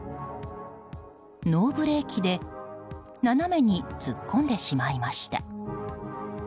ノーブレーキで斜めに突っ込んでしまいました。